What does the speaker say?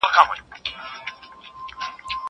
زه اوږده وخت موټر کاروم!!